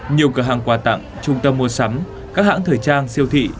nhiều cửa hàng quà tặng trung tâm mua sắm các hãng thời trang siêu thị